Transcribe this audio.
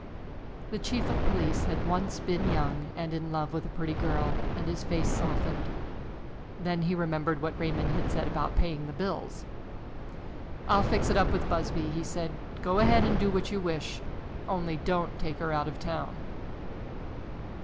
The chief of police had once been young and in love with a pretty girl and his face softened. Then he remembered what Raymond had said about paying the bills. "I'll fix it up with Busby," he said. "Go ahead and do what you wish, only don't take her out of town."